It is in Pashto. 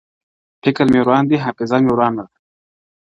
فکر مي وران دی حافظه مي ورانه ~